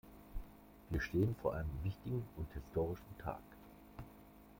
Wir stehen vor einem wichtigen und historischen Tag.